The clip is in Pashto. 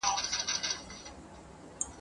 چي ډېر کسان یې ..